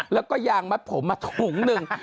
แล้วก็ยางมาพลมหนึ่ง